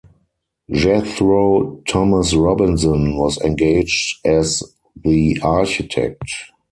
Jethro Thomas Robinson was engaged as the architect.